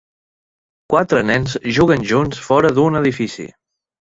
Quatre nens juguen junts fora d'un edifici.